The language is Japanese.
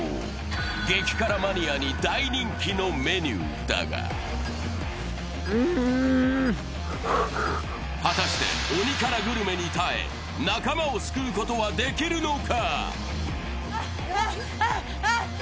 激辛マニアに大人気のメニューだが果たして、鬼辛グルメに耐え、仲間を救うことはできるのか。